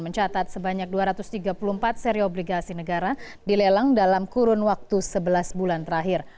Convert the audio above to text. mencatat sebanyak dua ratus tiga puluh empat seri obligasi negara dilelang dalam kurun waktu sebelas bulan terakhir